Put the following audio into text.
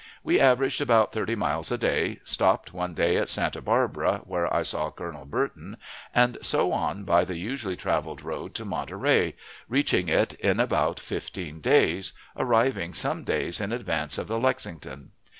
We averaged about thirty miles a day, stopped one day at Santa Barbara, where I saw Colonel Burton, and so on by the usually traveled road to Monterey, reaching it in about fifteen days, arriving some days in advance of the Lexington.